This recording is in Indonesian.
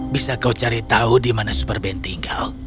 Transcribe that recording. bisa kau cari tahu di mana super ben tinggal